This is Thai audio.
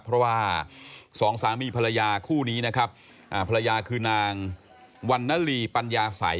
เพราะว่าสองสามีภรรยาคู่นี้นะครับภรรยาคือนางวันนลีปัญญาสัย